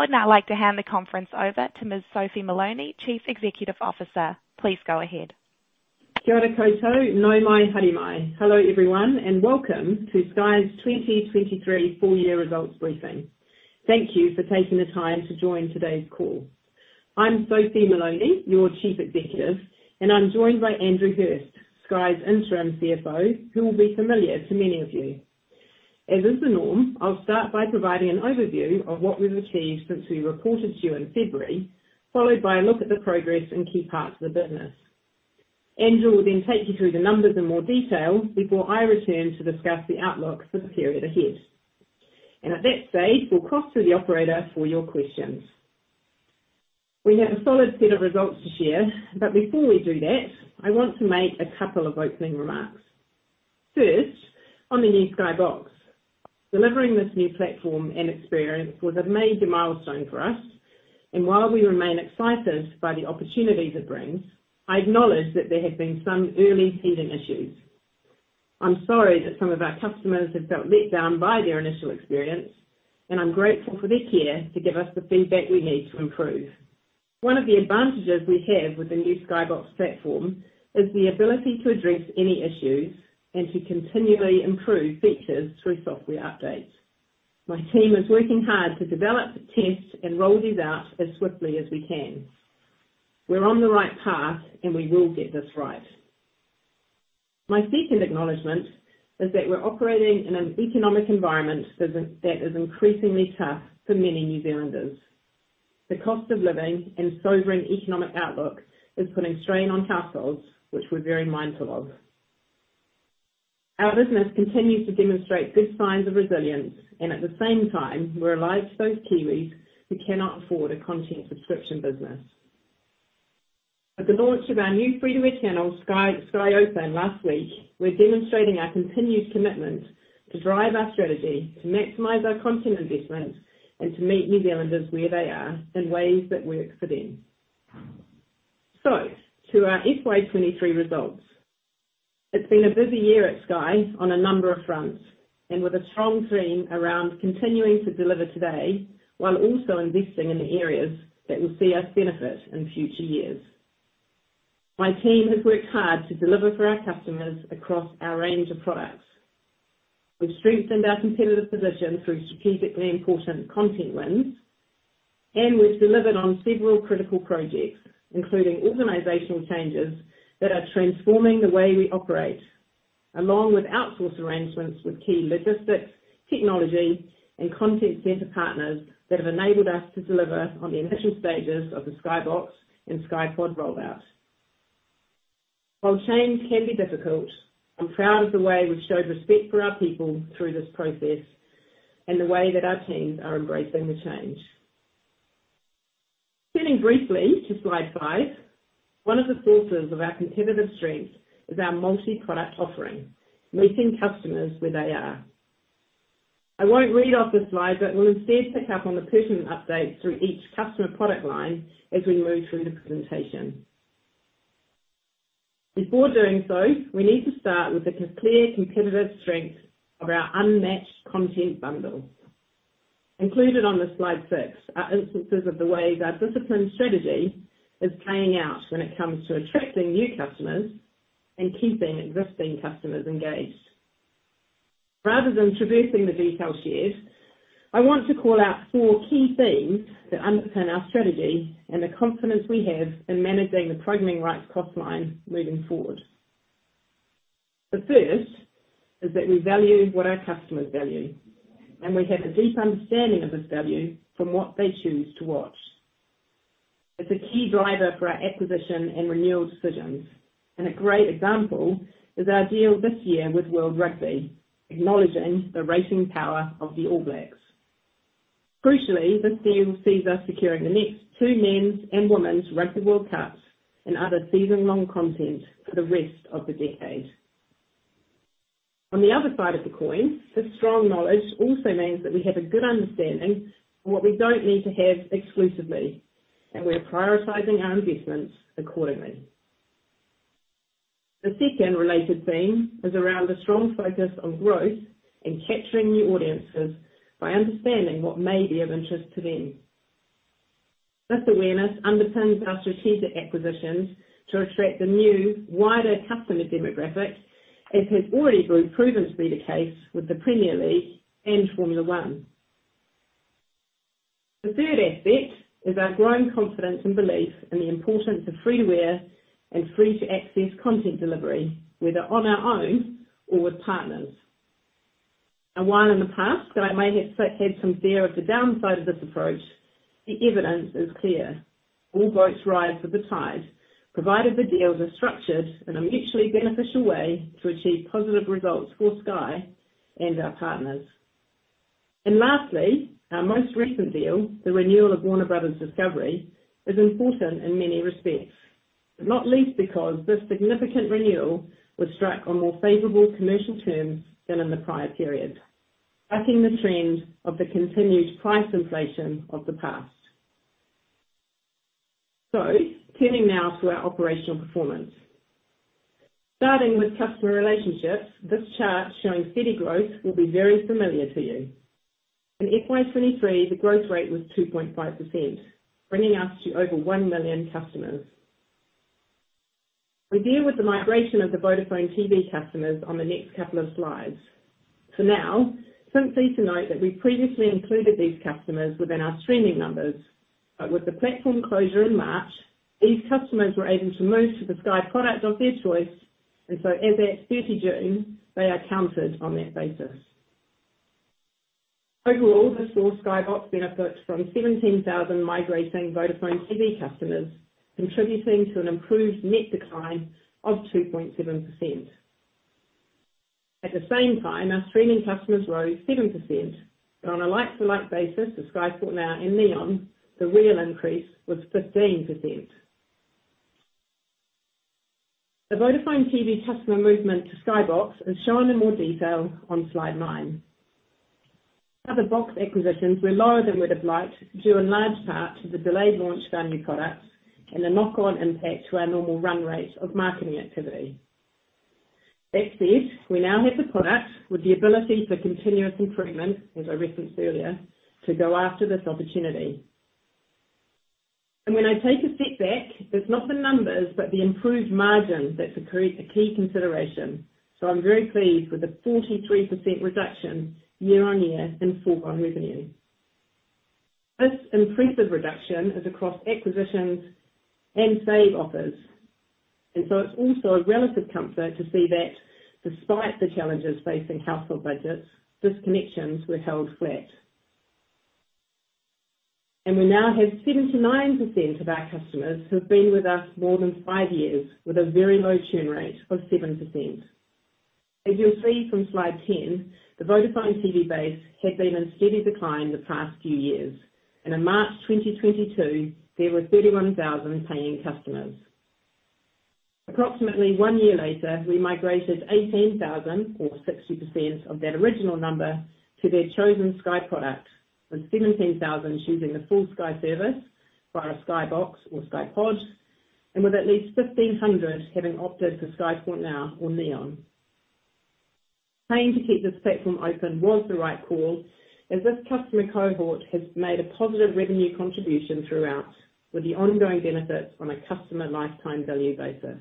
I'd now like to hand the conference over to Ms. Sophie Moloney, Chief Executive Officer. Please go ahead. Hello, everyone, welcome to Sky's 2023 full year results briefing. Thank you for taking the time to join today's call. I'm Sophie Moloney, your Chief Executive, I'm joined by Andrew Hirst, Sky's Interim CFO, who will be familiar to many of you. As is the norm, I'll start by providing an overview of what we've achieved since we reported to you in February, followed by a look at the progress in key parts of the business. Andrew will take you through the numbers in more detail before I return to discuss the outlook for the period ahead. At that stage, we'll cross to the operator for your questions. We have a solid set of results to share, before we do that, I want to make a couple of opening remarks. First, on the new Sky Box. Delivering this new platform and experience was a major milestone for us. While we remain excited by the opportunity it brings, I acknowledge that there have been some early teething issues. I'm sorry that some of our customers have felt let down by their initial experience. I'm grateful for their care to give us the feedback we need to improve. One of the advantages we have with the new Sky Box platform is the ability to address any issues and to continually improve features through software updates. My team is working hard to develop, test, and roll these out as swiftly as we can. We're on the right path. We will get this right. My second acknowledgement is that we're operating in an economic environment that is increasingly tough for many New Zealanders. The cost of living and sobering economic outlook is putting strain on households, which we're very mindful of. Our business continues to demonstrate good signs of resilience. At the same time, we're alive to those Kiwis who cannot afford a content subscription business. With the launch of our new free-to-air channel, Sky, Sky Open, last week, we're demonstrating our continued commitment to drive our strategy, to maximize our content investments, and to meet New Zealanders where they are in ways that work for them. To our FY23 results. It's been a busy year at Sky on a number of fronts, and with a strong theme around continuing to deliver today while also investing in the areas that will see us benefit in future years. My team has worked hard to deliver for our customers across our range of products. We've strengthened our competitive position through strategically important content wins, and we've delivered on several critical projects, including organizational changes that are transforming the way we operate, along with outsource arrangements with key logistics, technology, and contact center partners that have enabled us to deliver on the initial stages of the Sky Box and Sky Pod rollout. While change can be difficult, I'm proud of the way we've showed respect for our people through this process and the way that our teams are embracing the change. Turning briefly to slide five. One of the sources of our competitive strength is our multi-product offering, meeting customers where they are. I won't read off the slide, but will instead pick up on the pertinent updates through each customer product line as we move through the presentation. Before doing so, we need to start with the clear competitive strength of our unmatched content bundle. Included on the slide 6 are instances of the way our disciplined strategy is playing out when it comes to attracting new customers and keeping existing customers engaged. Rather than traversing the details here, I want to call out four key themes that underpin our strategy and the confidence we have in managing the programming rights cost line moving forward. The first is that we value what our customers value, and we have a deep understanding of this value from what they choose to watch. It's a key driver for our acquisition and renewal decisions, and a great example is our deal this year with World Rugby, acknowledging the rating power of the All Blacks. Crucially, this deal sees us securing the next 2 men's and women's Rugby World Cup and other season-long content for the rest of the decade. On the other side of the coin, this strong knowledge also means that we have a good understanding of what we don't need to have exclusively, and we are prioritizing our investments accordingly. The second related theme is around a strong focus on growth and capturing new audiences by understanding what may be of interest to them. This awareness underpins our strategic acquisitions to attract a new, wider customer demographic, as has already been proven to be the case with the Premier League and Formula One. The third aspect is our growing confidence and belief in the importance of free-to-air and free-to-access content delivery, whether on our own or with partners. While in the past, I may have had some fear of the downside of this approach, the evidence is clear. All boats rise with the tide, provided the deals are structured in a mutually beneficial way to achieve positive results for Sky and our partners. Lastly, our most recent deal, the renewal of Warner Bros. Discovery, is important in many respects, not least because this significant renewal was struck on more favorable commercial terms than in the prior period, bucking the trend of the continued price inflation of the past. Turning now to our operational performance. Starting with customer relationships, this chart showing steady growth will be very familiar to you. In FY23, the growth rate was 2.5%, bringing us to over 1 million customers. We deal with the migration of the Vodafone TV customers on the next couple of slides. For now, simply to note that we previously included these customers within our streaming numbers, but with the platform closure in March, these customers were able to move to the Sky product of their choice, and so as at 30 June, they are counted on that basis. Overall, the Sky Box benefits from 17,000 migrating Vodafone TV customers, contributing to an improved net decline of 2.7%. At the same time, our streaming customers rose 7%, but on a like-to-like basis, the Sky Sport Now and Neon, the real increase was 15%. The Vodafone TV customer movement to Sky Box is shown in more detail on Slide 9. Other Box acquisitions were lower than we'd have liked, due in large part to the delayed launch of our new products and the knock-on impact to our normal run rate of marketing activity. That said, we now have the product with the ability for continuous improvement, as I referenced earlier, to go after this opportunity. When I take a step back, it's not the numbers, but the improved margin, that's a key, a key consideration. I'm very pleased with the 43% reduction year-on-year in foregone revenue. This impressive reduction is across acquisitions and save offers, and so it's also a relative comfort to see that despite the challenges facing household budgets, disconnections were held flat. We now have 79% of our customers who've been with us more than 5 years, with a very low churn rate of 7%. As you'll see from Slide 10, the Vodafone TV base had been in steady decline the past few years, and in March 2022, there were 31,000 paying customers. Approximately one year later, we migrated 18,000, or 60%, of that original number to their chosen Sky product, with 17,000 choosing the full Sky service via Sky Box or Sky Pod, and with at least 1,500 having opted for Sky Sport Now or Neon. Paying to keep this platform open was the right call, as this customer cohort has made a positive revenue contribution throughout, with the ongoing benefits on a customer lifetime value basis.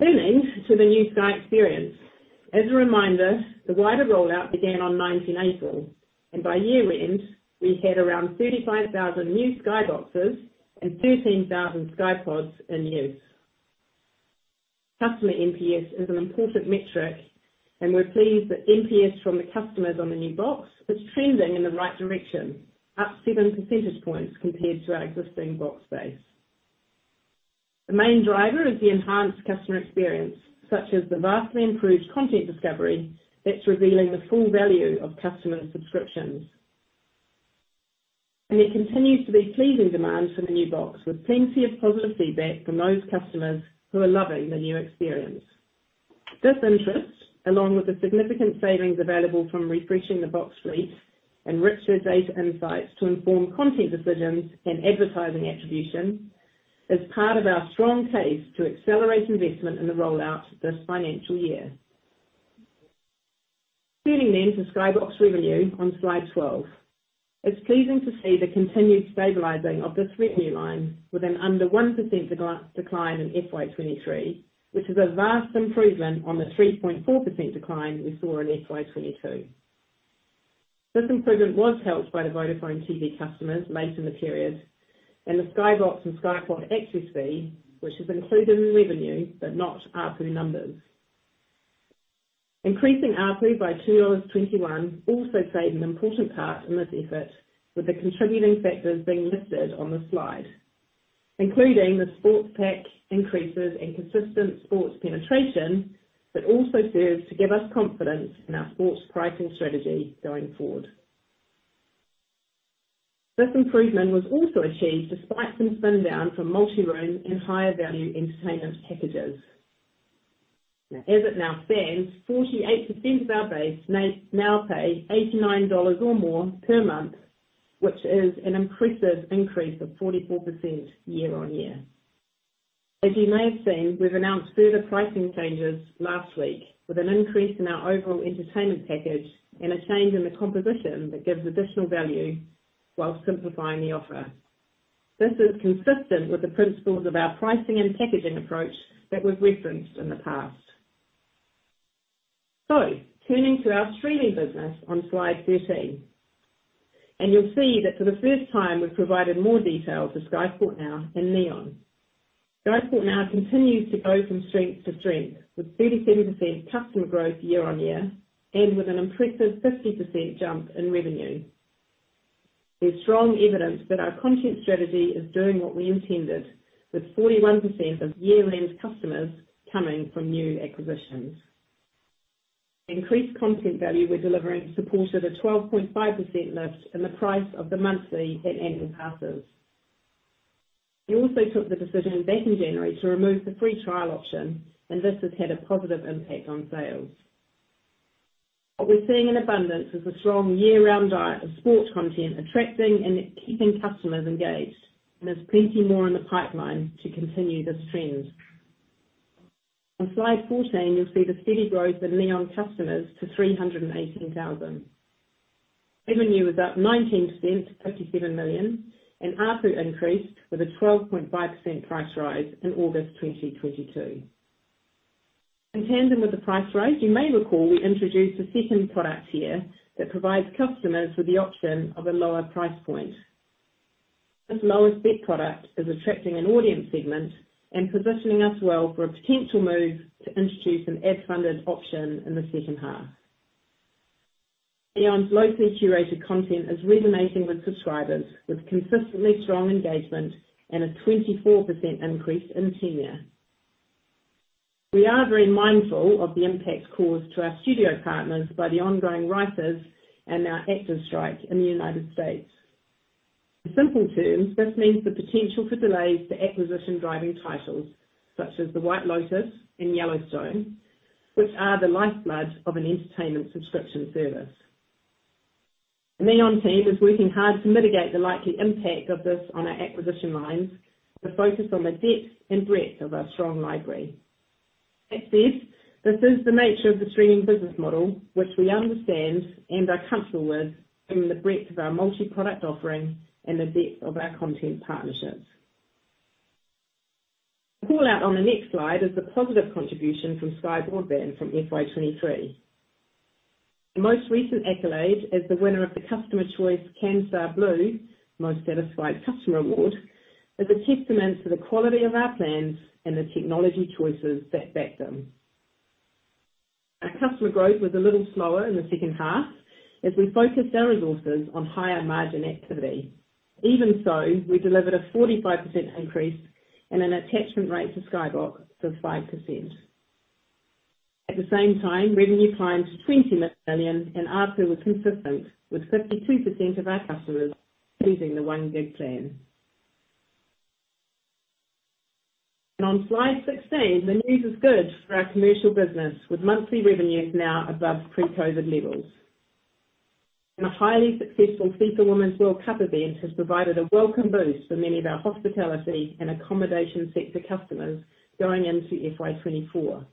Turning to the new Sky experience. As a reminder, the wider rollout began on April 19th, and by year-end, we had around 35,000 new Sky Boxes and 13,000 Sky Pods in use. Customer NPS is an important metric, and we're pleased that NPS from the customers on the new Box is trending in the right direction, up 7 percentage points compared to our existing Box base. The main driver is the enhanced customer experience, such as the vastly improved content discovery that's revealing the full value of customer subscriptions. There continues to be pleasing demand for the new Sky Box, with plenty of positive feedback from those customers who are loving the new experience. This interest, along with the significant savings available from refreshing the Sky Box fleet and richer data insights to inform content decisions and advertising attribution, is part of our strong case to accelerate investment in the rollout this financial year. Turning to Sky Box revenue on Slide 12. It's pleasing to see the continued stabilizing of this revenue line with an under 1% decline in FY23, which is a vast improvement on the 3.4% decline we saw in FY22. This improvement was helped by the Vodafone TV customers made in the period, and the Sky Box and Sky Pod access fee, which is included in revenue but not ARPU numbers. Increasing ARPU by 2.21 dollars also played an important part in this effort, with the contributing factors being listed on the slide, including the sports pack increases and consistent sports penetration, that also serves to give us confidence in our sports pricing strategy going forward. This improvement was also achieved despite some spin down from multi-room and higher value entertainment packages. Now, as it now stands, 48% of our base now pay 89 dollars or more per month, which is an impressive increase of 44% year-on-year. As you may have seen, we've announced further pricing changes last week, with an increase in our overall entertainment package and a change in the composition that gives additional value while simplifying the offer. This is consistent with the principles of our pricing and packaging approach that we've referenced in the past. Turning to our streaming business on Slide 13, you'll see that for the first time, we've provided more detail to Sky Sport Now and Neon. Sky Sport Now continues to go from strength to strength, with 37% customer growth year-on-year, and with an impressive 50% jump in revenue. There's strong evidence that our content strategy is doing what we intended, with 41% of year-end customers coming from new acquisitions. Increased content value we're delivering supported a 12.5% lift in the price of the monthly and annual passes. We also took the decision back in January to remove the free trial option, this has had a positive impact on sales. What we're seeing in abundance is a strong year-round diet of sports content, attracting and keeping customers engaged, and there's plenty more in the pipeline to continue this trend. On Slide 14, you'll see the steady growth in Neon customers to 318,000. Revenue was up 19%-$57 million, ARPU increased with a 12.5% price rise in August 2022. In tandem with the price rise, you may recall we introduced a second product tier that provides customers with the option of a lower price point. This Basic product is attracting an audience segment and positioning us well for a potential move to introduce an ad-funded option in the second half. Neon's locally curated content is resonating with subscribers, with consistently strong engagement and a 24% increase in tenure. We are very mindful of the impact caused to our studio partners by the ongoing writers and now actors strike in the United States. In simple terms, this means the potential for delays to acquisition-driving titles such as The White Lotus and Yellowstone, which are the lifeblood of an entertainment subscription service. The Neon team is working hard to mitigate the likely impact of this on our acquisition lines, to focus on the depth and breadth of our strong library. That said, this is the nature of the streaming business model, which we understand and are comfortable with, given the breadth of our multi-product offering and the depth of our content partnerships. The call-out on the next slide is the positive contribution from Sky Broadband from FY23. The most recent accolade as the winner of the Customer Choice Canstar Blue Most Satisfied Customer Award, is a testament to the quality of our plans and the technology choices that back them. Our customer growth was a little slower in the second half as we focused our resources on higher margin activity. Even so, we delivered a 45% increase and an attachment rate to Sky Box of 5%. At the same time, revenue climbed to 20 million, and ARPU was consistent, with 52% of our customers choosing the 1 Gig plan. On Slide 16, the news is good for our commercial business, with monthly revenues now above pre-COVID levels. A highly successful FIFA Women's World Cup event has provided a welcome boost for many of our hospitality and accommodation sector customers going into FY24.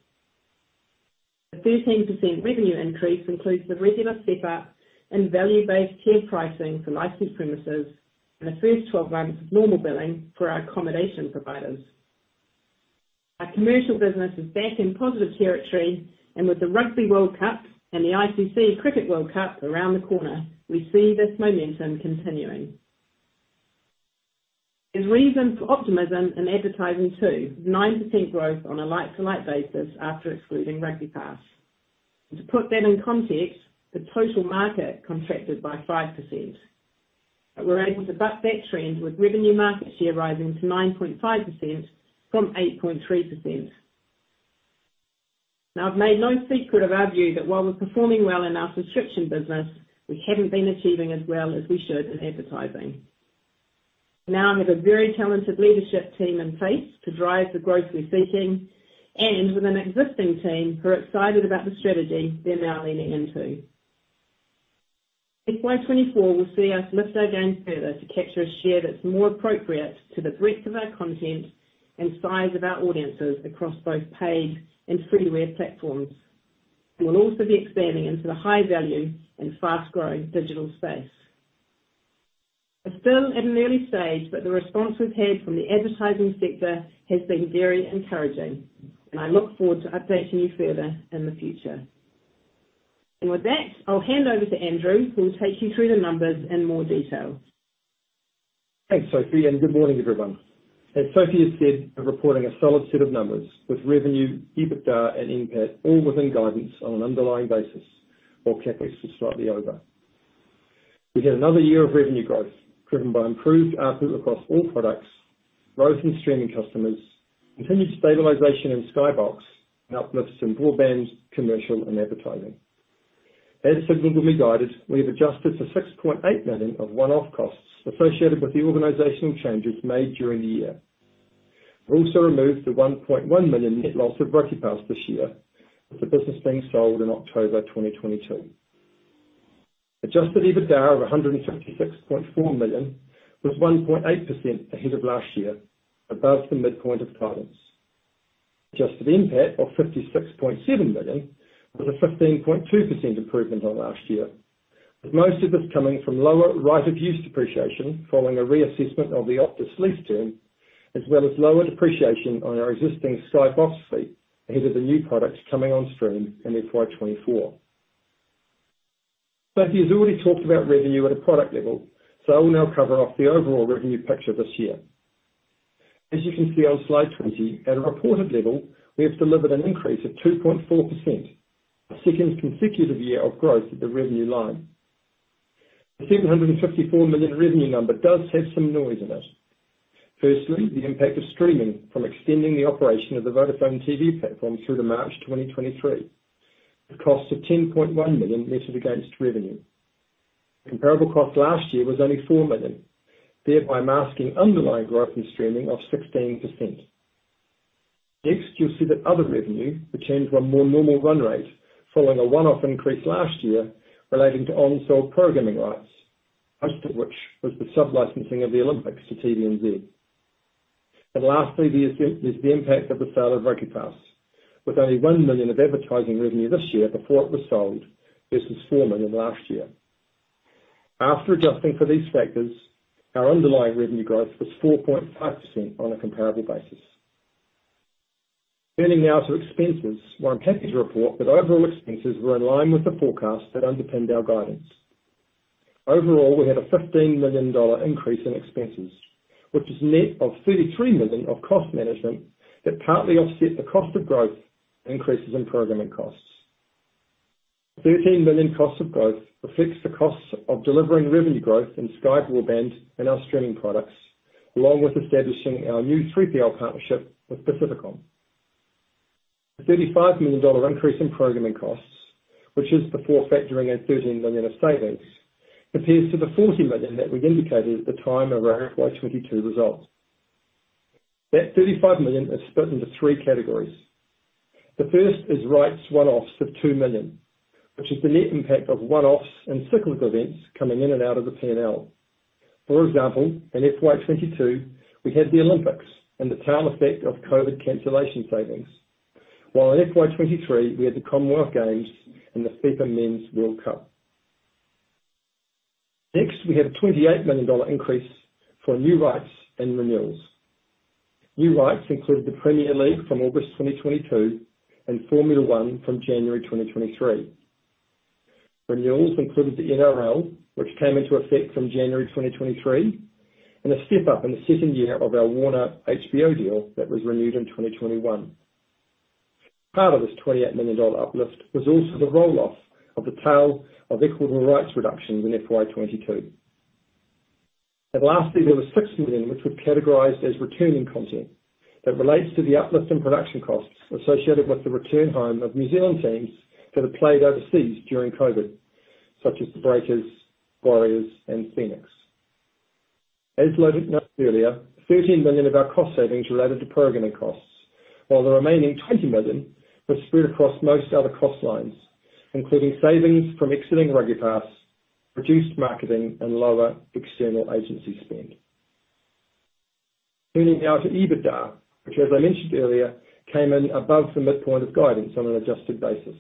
The 13% revenue increase includes the regular step-up and value-based tier pricing for licensed premises and the first 12 months of normal billing for our accommodation providers. Our commercial business is back in positive territory, with the Rugby World Cup and the ICC Cricket World Cup around the corner, we see this momentum continuing. There's reason for optimism in advertising, too. 9% growth on a like-to-like basis after excluding RugbyPass. To put that in context, the total market contracted by 5%. We're able to buck that trend with revenue market share rising to 9.5% from 8.3%. Now, I've made no secret of our view that while we're performing well in our subscription business, we haven't been achieving as well as we should in advertising. I have a very talented leadership team in place to drive the growth we're seeking, with an existing team who are excited about the strategy they're now leaning into. FY24 will see us lift our game further to capture a share that's more appropriate to the breadth of our content and size of our audiences across both paid and free-to-air platforms. We will also be expanding into the high-value and fast-growing digital space. It's still at an early stage, the response we've had from the advertising sector has been very encouraging, I look forward to updating you further in the future. With that, I'll hand over to Andrew, who will take you through the numbers in more detail. Thanks, Sophie, and good morning, everyone. As Sophie has said, we're reporting a solid set of numbers with revenue, EBITDA, and NPAT all within guidance on an underlying basis, while CapEx is slightly over. We had another year of revenue growth, driven by improved ARPU across all products, growth in streaming customers, continued stabilization in Sky Box, and uplifts in broadband, commercial, and advertising. As significantly guided, we have adjusted for 6.8 million of one-off costs associated with the organizational changes made during the year. We also removed the 1.1 million net loss of RugbyPass this year, with the business being sold in October 2022. Adjusted EBITDA of 156.4 million was 1.8% ahead of last year, above the midpoint of guidance. Adjusted NPAT of 56.7 million was a 15.2% improvement on last year, with most of this coming from lower right of use depreciation following a reassessment of the Optus lease term, as well as lower depreciation on our existing Sky Box fee ahead of the new products coming on stream in FY24. Sophie has already talked about revenue at a product level, I will now cover off the overall revenue picture this year. As you can see on Slide 20, at a reported level, we have delivered an increase of 2.4%, our second consecutive year of growth at the revenue line. The 754 million revenue number does have some noise in it. Firstly, the impact of streaming from extending the operation of the Vodafone TV platform through to March 2023. The cost of 10.1 million measured against revenue. Comparable cost last year was only 4 million, thereby masking underlying growth in streaming of 16%. You'll see that other revenue returned to a more normal run rate, following a one-off increase last year relating to on-sold programming rights, most of which was the sub-licensing of the Olympics to TVNZ. Lastly, is the impact of the sale of RugbyPass, with only 1 million of advertising revenue this year before it was sold, versus 4 million last year. After adjusting for these factors, our underlying revenue growth was 4.5% on a comparable basis. Turning now to expenses, well, I'm happy to report that overall expenses were in line with the forecast that underpinned our guidance. Overall, we had a 15 million dollar increase in expenses, which is net of 33 million of cost management, that partly offset the cost of growth and increases in programming costs. 13 million costs of growth affects the costs of delivering revenue growth in Sky Broadband and our streaming products, along with establishing our new three-player partnership with Pacific Media Network. The 35 million dollar increase in programming costs, which is before factoring in 13 million of savings, compares to the 40 million that we indicated at the time of our FY22 results. That 35 million is split into three categories. The first is rights one-offs of 2 million, which is the net impact of one-offs and cyclical events coming in and out of the P&L. For example, in FY22, we had the Olympics and the tail effect of COVID cancellation savings. While in FY23, we had the Commonwealth Games and the FIFA World Cup. We have a 28 million dollar increase for new rights and renewals. New rights include the Premier League from August 2022, and Formula One from January 2023. Renewals included the NRL, which came into effect from January 2023, and a step up in the second year of our Warner HBO deal that was renewed in 2021. Part of this 28 million dollar uplift was also the roll-off of the tail of equitable rights reductions in FY22. Lastly, there was 6 million, which was categorized as returning content. That relates to the uplift in production costs associated with the return home of New Zealand teams that have played overseas during COVID, such as the Breakers, Warriors, and Phoenix. As noted earlier, 13 million of our cost savings related to programming costs, while the remaining 20 million were spread across most other cost lines, including savings from exiting RugbyPass, reduced marketing, and lower external agency spend. Turning now to EBITDA, which, as I mentioned earlier, came in above the midpoint of guidance on an adjusted basis.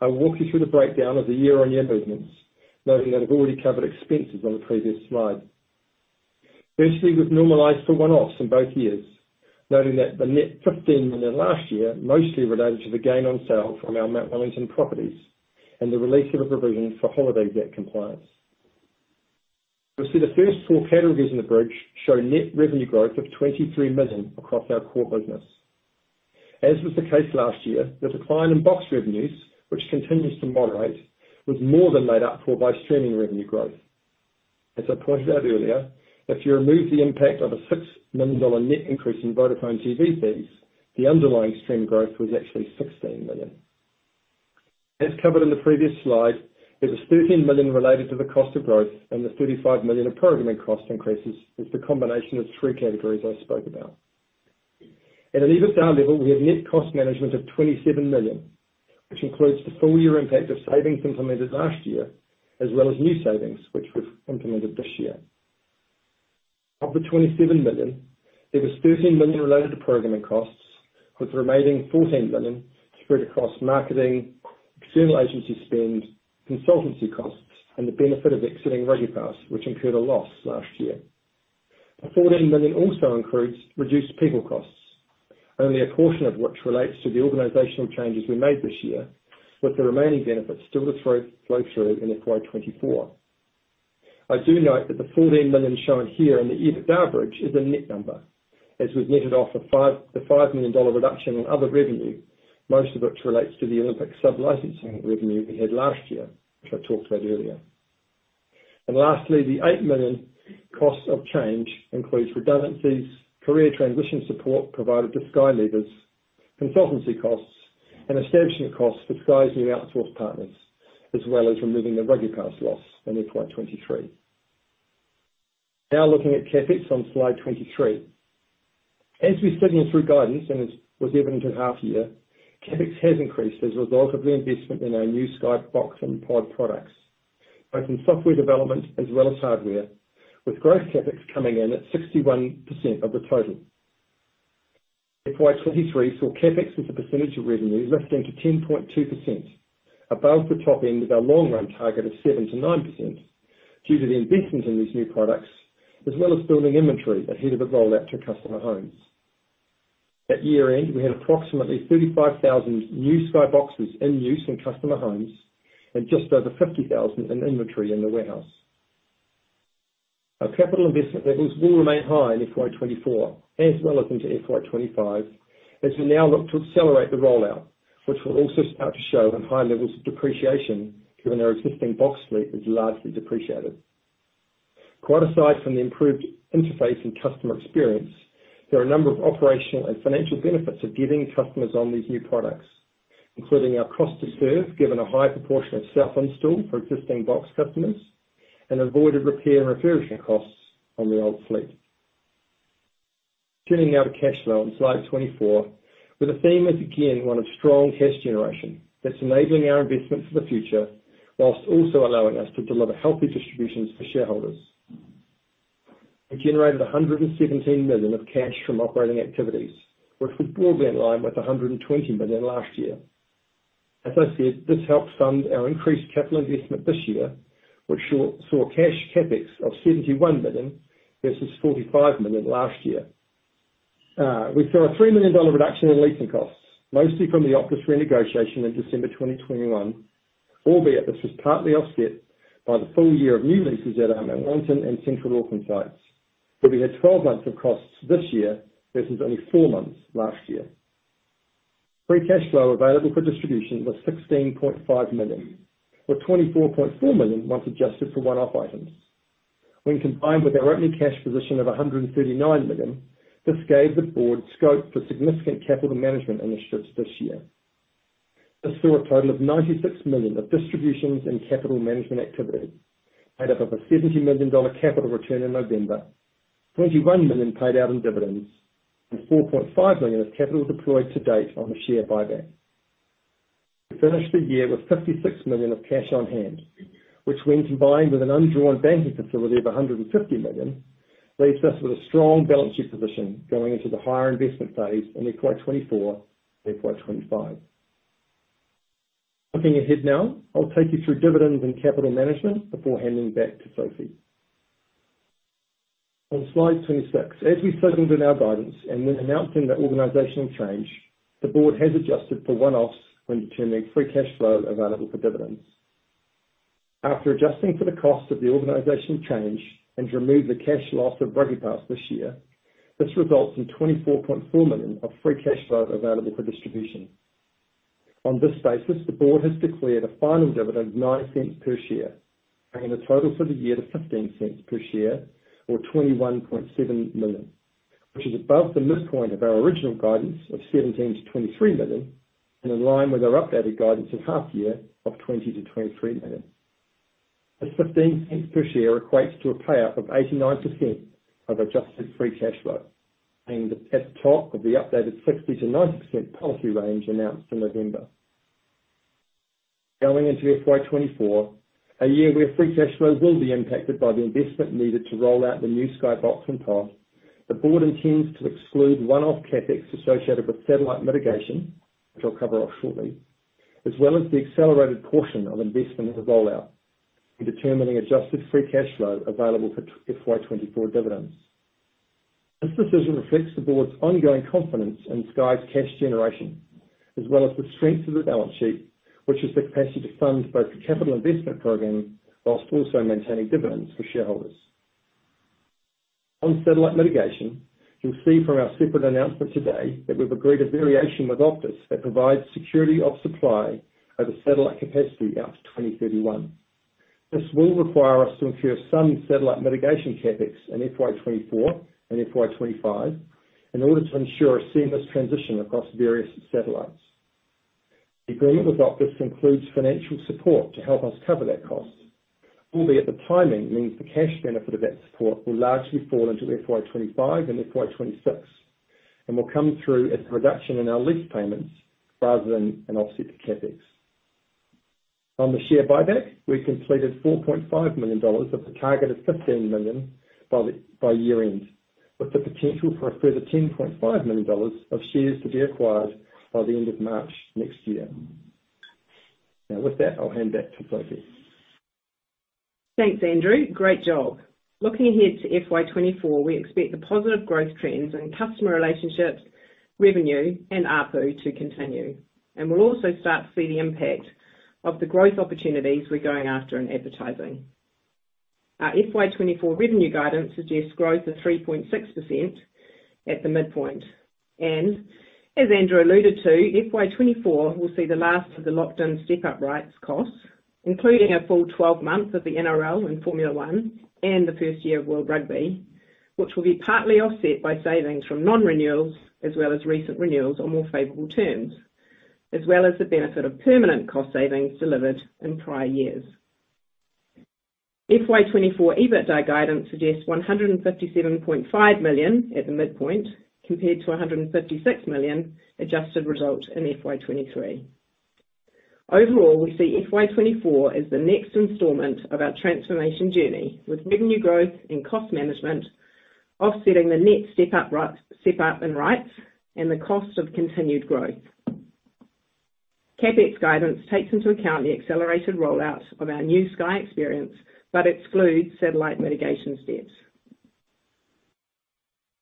I will walk you through the breakdown of the year-on-year movements, noting that I've already covered expenses on the previous slide. Firstly, we've normalized for one-offs in both years, noting that the net 15 million last year mostly related to the gain on sale from our Mount Wellington properties and the release of a provision for Holidays Act compliance. You'll see the first four categories in the bridge show net revenue growth of 23 million across our core business. As was the case last year, the decline in box revenues, which continues to moderate, was more than made up for by streaming revenue growth. As I pointed out earlier, if you remove the impact of a 6 million dollar net increase in Vodafone TV fees, the underlying stream growth was actually 16 million. As covered in the previous slide, there was 13 million related to the cost of growth, and the 35 million in programming cost increases is the combination of three categories I spoke about. At an EBITDA level, we have net cost management of 27 million, which includes the full year impact of savings implemented last year, as well as new savings, which were implemented this year. Of the 27 million, there was 13 million related to programming costs, with the remaining 14 million spread across marketing, external agency spend, consultancy costs, and the benefit of exiting RugbyPass, which incurred a loss last year. The 14 million also includes reduced people costs, only a portion of which relates to the organizational changes we made this year, with the remaining benefits still to flow through in FY24. I do note that the 14 million shown here in the EBITDA bridge is a net number, as we've netted off the 5 million dollar reduction in other revenue, most of which relates to the Olympic sub-licensing revenue we had last year, which I talked about earlier. Lastly, the 8 million costs of change includes redundancies, career transition support provided to Sky leaders, consultancy costs, and establishment costs for Sky's new outsource partners, as well as removing the RugbyPass loss in FY23. Looking at CapEx on slide 23. As we've said in through guidance, and as was evident in half year, CapEx has increased as a result of the investment in our new Sky Box and Sky Pod products, both in software development as well as hardware, with growth CapEx coming in at 61% of the total. FY23 saw CapEx as a percentage of revenue lifting to 10.2%, above the top end of our long-run target of 7%-9%, due to the investments in these new products, as well as building inventory ahead of the rollout to customer homes. At year-end, we had approximately 35,000 new Sky Boxes in use in customer homes and just over 50,000 in inventory in the warehouse. Our capital investment levels will remain high in FY24 as well as into FY25, as we now look to accelerate the rollout, which will also start to show in high levels of depreciation, given our existing Box fleet is largely depreciated. Quite aside from the improved interface and customer experience, there are a number of operational and financial benefits of getting customers on these new products, including our cost to serve, given a high proportion of self-install for existing Box customers.... and avoided repair and refurbishment costs on the old fleet. Turning now to cash flow on slide 24, where the theme is again, one of strong cash generation that's enabling our investment for the future, whilst also allowing us to deliver healthy distributions for shareholders. We generated 117 million of cash from operating activities, which was broadly in line with 120 million last year. As I said, this helped fund our increased capital investment this year, which saw cash CapEx of 71 million versus 45 million last year. We saw a 3 million dollar reduction in leasing costs, mostly from the Optus renegotiation in December 2021, albeit this was partly offset by the full year of new leases at our Mount Wellington and Central Auckland sites, where we had 12 months of costs this year, versus only 4 months last year. Free cash flow available for distribution was 16.5 million, or 24.4 million, once adjusted for one-off items. Combined with our opening cash position of 139 million, this gave the board scope for significant capital management initiatives this year. This saw a total of 96 million of distributions and capital management activity, made up of a 70 million dollar capital return in November, 21 million paid out in dividends, and 4.5 million of capital deployed to date on the share buyback. We finished the year with 56 million of cash on hand, which when combined with an undrawn banking facility of 150 million, leaves us with a strong balance sheet position going into the higher investment phase in FY24 and FY25. Looking ahead now, I'll take you through dividends and capital management before handing back to Sophie. On slide 26, as we settled in our guidance and when announcing the organizational change, the board has adjusted for one-offs when determining free cash flow available for dividends. After adjusting for the cost of the organizational change and to remove the cash loss of RugbyPass this year, this results in 24.4 million of free cash flow available for distribution. On this basis, the board has declared a final dividend of 0.09 per share, bringing the total for the year to 0.15 per share, or 21.7 million, which is above the midpoint of our original guidance of 17 million-23 million, and in line with our updated guidance at half year of 20 million-23 million. This 0.15 per share equates to a payout of 89% of adjusted free cash flow, and at the top of the updated 60%-90% policy range announced in November. Going into FY24, a year where free cash flow will be impacted by the investment needed to roll out the new Sky Box and pass, the board intends to exclude one-off CapEx associated with satellite mitigation, which I'll cover off shortly, as well as the accelerated portion of investment in the rollout, in determining adjusted free cash flow available for FY24 dividends. This decision reflects the board's ongoing confidence in Sky's cash generation, as well as the strength of the balance sheet, which is the capacity to fund both the capital investment program whilst also maintaining dividends for shareholders. On satellite mitigation, you'll see from our separate announcement today, that we've agreed a variation with Optus that provides security of supply of satellite capacity out to 2031. This will require us to incur some satellite mitigation CapEx in FY24 and FY25, in order to ensure a seamless transition across various satellites. The agreement with Optus includes financial support to help us cover that cost, albeit the timing means the cash benefit of that support will largely fall into FY25 and FY26, and will come through as a reduction in our lease payments, rather than an offset to CapEx. On the share buyback, we completed 4.5 million dollars of the target of 15 million by year-end, with the potential for a further 10.5 million dollars of shares to be acquired by the end of March next year. Now, with that, I'll hand back to Sophie. Thanks, Andrew. Great job! Looking ahead to FY24, we expect the positive growth trends in customer relationships, revenue, and ARPU to continue. We'll also start to see the impact of the growth opportunities we're going after in advertising. Our FY24 revenue guidance suggests growth of 3.6% at the midpoint, as Andrew alluded to, FY24 will see the last of the locked-in step-up rights costs, including a full 12 months of the NRL and Formula One, and the first year of World Rugby, which will be partly offset by savings from non-renewals, as well as recent renewals on more favorable terms, as well as the benefit of permanent cost savings delivered in prior years. FY24 EBITDA guidance suggests 157.5 million at the midpoint, compared to 156 million adjusted result in FY23. Overall, we see FY24 as the next installment of our transformation journey, with revenue growth and cost management offsetting the net step up in rights and the cost of continued growth. CapEx guidance takes into account the accelerated rollout of our new Sky experience, but excludes satellite mitigation steps.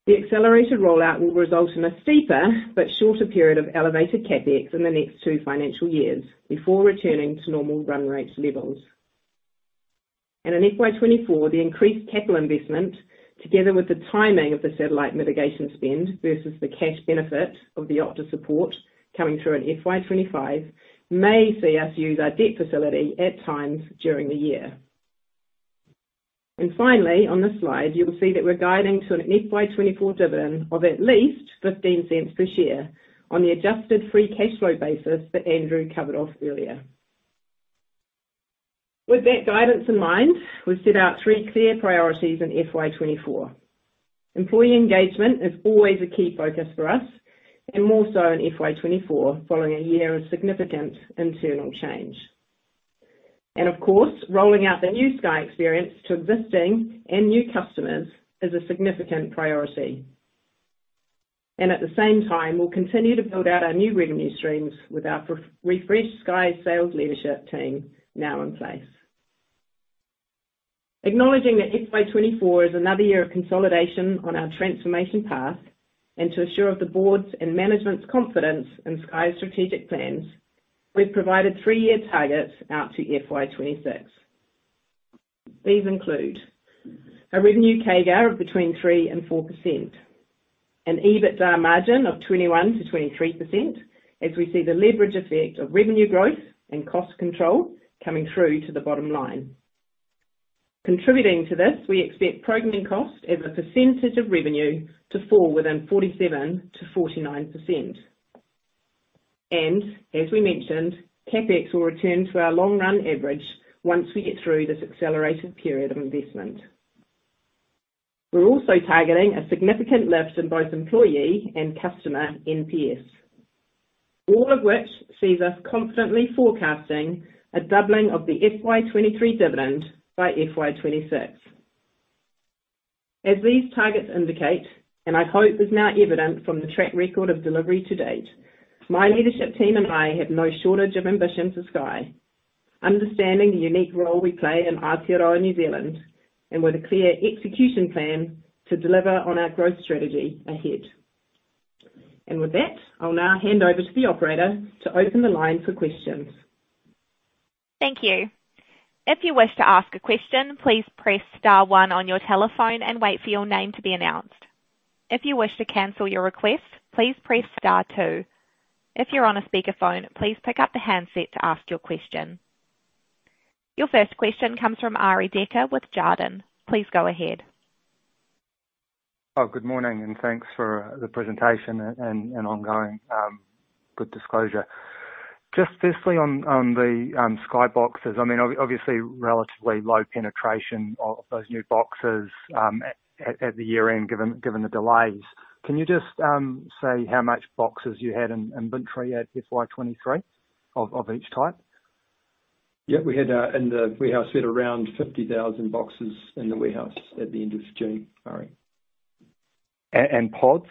The accelerated rollout will result in a steeper but shorter period of elevated CapEx in the next 2 financial years, before returning to normal run rate levels. In FY24, the increased capital investment, together with the timing of the satellite mitigation spend, versus the cash benefit of the Optus support coming through in FY25, may see us use our debt facility at times during the year. Finally, on this slide, you will see that we're guiding to an FY24 dividend of at least 0.15 per share on the adjusted free cash flow basis that Andrew covered off earlier. With that guidance in mind, we've set out 3 clear priorities in FY24. Employee engagement is always a key focus for us, and more so in FY24, following a year of significant internal change. Of course, rolling out the new Sky experience to existing and new customers is a significant priority. At the same time, we'll continue to build out our new revenue streams with our refreshed Sky sales leadership team now in place. Acknowledging that FY24 is another year of consolidation on our transformation path, and to assure of the board's and management's confidence in Sky's strategic plans, we've provided 3-year targets out to FY26. These include: a revenue CAGR of between 3% and 4%, an EBITDA margin of 21%-23% as we see the leverage effect of revenue growth and cost control coming through to the bottom line. Contributing to this, we expect programming costs as a percentage of revenue, to fall within 47%-49%. As we mentioned, CapEx will return to our long run average once we get through this accelerated period of investment. We're also targeting a significant lift in both employee and customer NPS. All of which sees us confidently forecasting a doubling of the FY23 dividend by FY26. As these targets indicate, and I hope is now evident from the track record of delivery to date, my leadership team and I have no shortage of ambition for Sky. Understanding the unique role we play in Aotearoa, New Zealand, and with a clear execution plan to deliver on our growth strategy ahead. With that, I'll now hand over to the operator to open the line for questions. Thank you. If you wish to ask a question, please press star one on your telephone and wait for your name to be announced. If you wish to cancel your request, please press star two. If you're on a speakerphone, please pick up the handset to ask your question. Your first question comes from Arie Dekker with Jarden. Please go ahead. Oh, good morning, and thanks for the presentation and ongoing good disclosure. Just firstly on the Sky Boxes. I mean, obviously, relatively low penetration of those new boxes at the year end, given the delays. Can you just say how much boxes you had in inventory at FY23 of each type? Yeah, we had, in the warehouse, we had around 50,000 boxes in the warehouse at the end of June, Arie. Pods?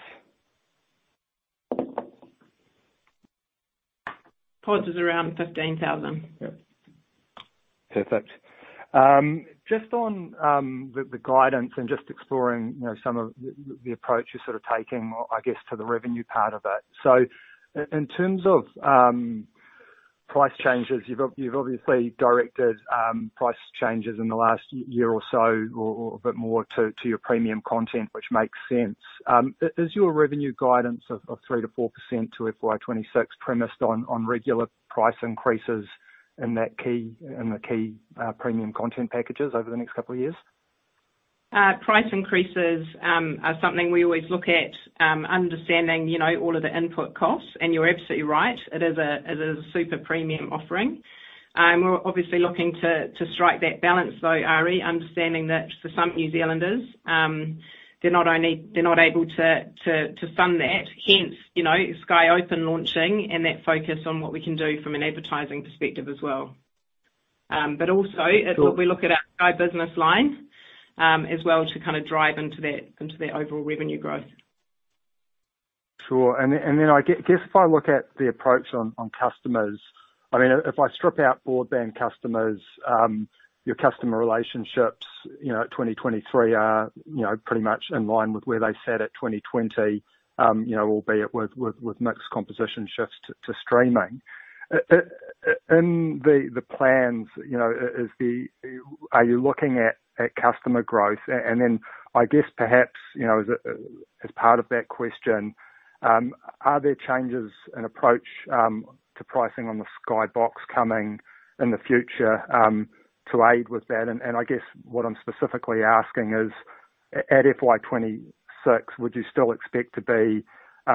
Pods is around 15,000. Yeah. Perfect. Just on the guidance and just exploring, you know, some of the approach you're sort of taking, I guess, to the revenue part of it. So in terms of price changes, you've obviously directed price changes in the last year or so, or a bit more to your premium content, which makes sense. Is your revenue guidance of 3%-4% to FY26 premised on regular price increases in that key, in the key, premium content packages over the next couple of years? Price increases, are something we always look at, understanding, you know, all of the input costs, and you're absolutely right, it is a, it is a super premium offering. We're obviously looking to, to strike that balance, though, Arie, understanding that for some New Zealanders, they're not able to, to, to fund that. Hence, you know, Sky Open launching and that focus on what we can do from an advertising perspective as well. Also- Sure. as we look at our Sky Business lines, as well, to kind of drive into that, into that overall revenue growth. Sure. Then, I guess if I look at the approach on, on customers, I mean, if I strip out broadband customers, your customer relationships, you know, at 2023 are, you know, pretty much in line with where they sat at 2020. You know, albeit with, with, with mixed composition shifts to, to streaming. in the, the plans, you know, is the... Are you looking at customer growth? Then I guess perhaps, you know, as part of that question, are there changes in approach to pricing on the Sky Box coming in the future to aid with that? I guess what I'm specifically asking is, at FY26, would you still expect to be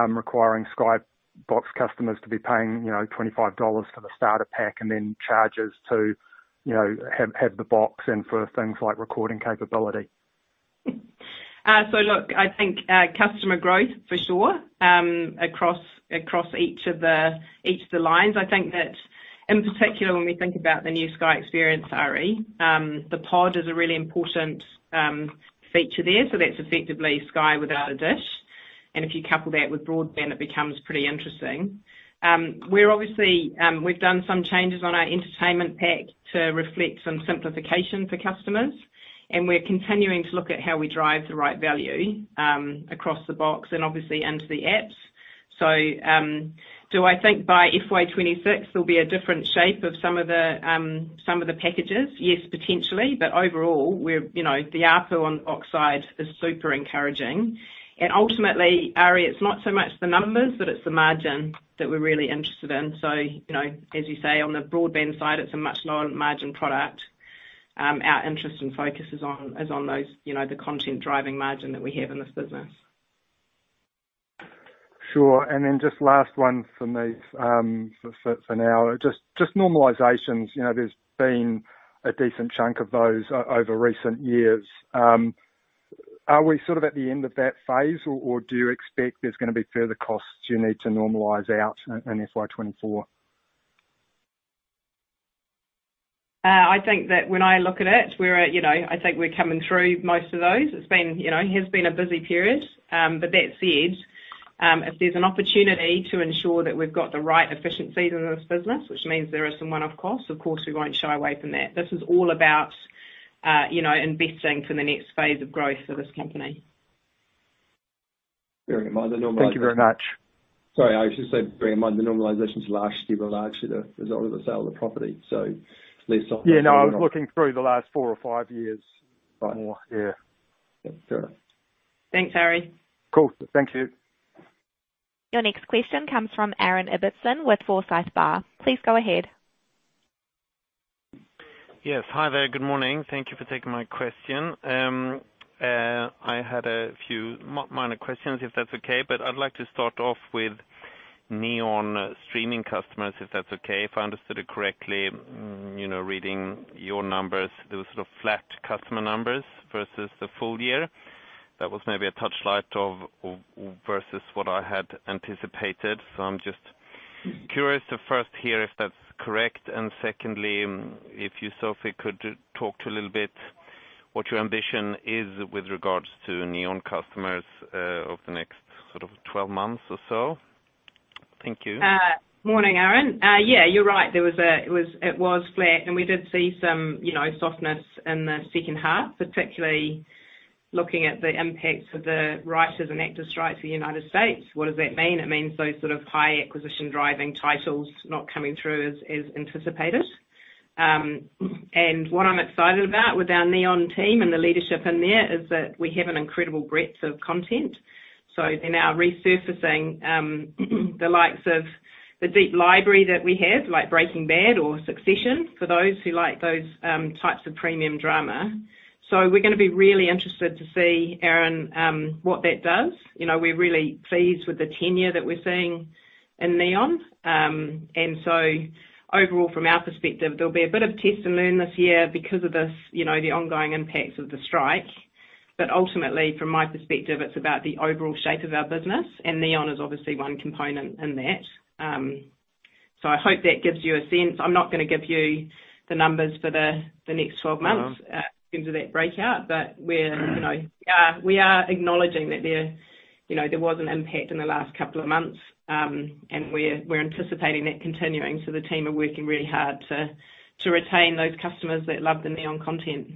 requiring Sky Box customers to be paying, you know, 25 dollars for the starter pack and then charges to, you know, have, have the box and for things like recording capability? Look, I think, customer growth for sure, across, across each of the, each of the lines. I think that in particular, when we think about the new Sky experience, Arie, the Sky Pod is a really important feature there, so that's effectively Sky without a dish. If you couple that with Sky Broadband, it becomes pretty interesting. We're obviously, we've done some changes on our entertainment pack to reflect some simplification for customers, and we're continuing to look at how we drive the right value, across the Sky Box and obviously into the apps. Do I think by FY26 there'll be a different shape of some of the, some of the packages? Yes, potentially, but overall, we're, you know, the ARPU on Box side is super encouraging, and ultimately, Arie, it's not so much the numbers, but it's the margin that we're really interested in. You know, as you say, on the broadband side, it's a much lower margin product. Our interest and focus is on, is on those, you know, the content-driving margin that we have in this business. Sure. Then just last one from me, for, for, for now, just, just normalizations. You know, there's been a decent chunk of those over recent years. Are we sort of at the end of that phase, or, or do you expect there's gonna be further costs you need to normalize out in, in FY 24? I think that when I look at it, we're at, you know, I think we're coming through most of those. It's been, you know, it has been a busy period. That said, if there's an opportunity to ensure that we've got the right efficiencies in this business, which means there are some one-off costs, of course, we won't shy away from that. This is all about, you know, investing for the next phase of growth for this company. Bear in mind, the normalization- Thank you very much. Sorry, I should say, bear in mind, the normalizations last year were largely the result of the sale of the property, less so- Yeah, no, I was looking through the last 4 or 5 years. Right. More. Yeah. Fair enough. Thanks, Harry. Cool. Thank you. Your next question comes from Aaron Ibbotson with Forsyth Barr. Please go ahead. Yes. Hi there. Good morning. Thank you for taking my question. I had a few minor questions, if that's okay, but I'd like to start off with Neon streaming customers, if that's okay. If I understood it correctly, you know, reading your numbers, there was sort of flat customer numbers versus the full year. That was maybe a touch light of versus what I had anticipated. So I'm just curious to first hear if that's correct. Secondly, if you, Sophie, could talk to a little bit what your ambition is with regards to Neon customers, over the next sort of 12 months or so. Thank you. Morning, Aaron. Yeah, you're right. There was it was, it was flat, and we did see some, you know, softness in the second half, particularly looking at the impacts of the writers and actors strike for United States. What does that mean? It means those sort of high acquisition driving titles not coming through as, as anticipated. What I'm excited about with our Neon team and the leadership in there, is that we have an incredible breadth of content. They're now resurfacing, the likes of the deep library that we have, like Breaking Bad or Succession, for those who like those types of premium drama. We're gonna be really interested to see, Aaron, what that does. You know, we're really pleased with the tenure that we're seeing in Neon. Overall, from our perspective, there'll be a bit of test and learn this year because of this, you know, the ongoing impacts of the strike. Ultimately, from my perspective, it's about the overall shape of our business, and Neon is obviously one component in that. I hope that gives you a sense. I'm not gonna give you the numbers for the, the next 12 months in terms of that breakout, we're, you know, yeah, we are acknowledging that there, you know, there was an impact in the last couple of months, we're, we're anticipating that continuing. The team are working really hard to, to retain those customers that love the Neon content.